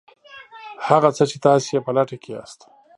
هغه څه چې تاسې یې په لټه کې یاست